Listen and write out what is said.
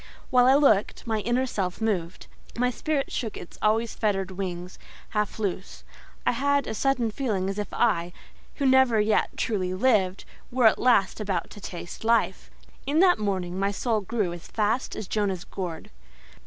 While I looked, my inner self moved; my spirit shook its always fettered wings half loose; I had a sudden feeling as if I, who never yet truly lived, were at last about to taste life. In that morning my soul grew as fast as Jonah's gourd.